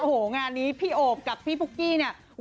โอ้โหงานนี้พี่โอบกับพี่ปุ๊กกี้เนี่ย